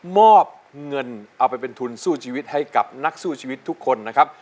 มอบเงินเอาไปเป็นทุนสู้ชีวิตให้กับนักสู้ชีวิตทุกคนนะครับ